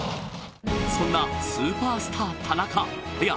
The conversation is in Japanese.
そんなスーパースター田中いや